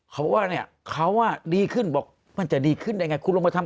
เขาว่าเนี่ยเขาอ่ะดีขึ้นบอกมันจะดีขึ้นได้ไงคุณลงไปทำ